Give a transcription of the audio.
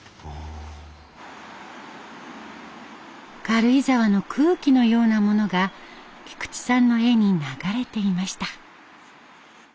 軽井沢の空気のようなものが菊池さんの絵に流れていました。